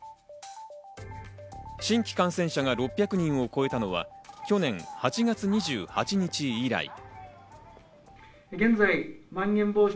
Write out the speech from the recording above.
新規感染者が６００人を超えたのは去年８月２８日以来。